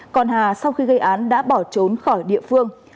còn hà sau khi gây án đã bỏ trốn khỏi địa phương